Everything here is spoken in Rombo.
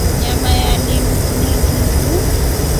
Nyama ya linu ni ngiumu.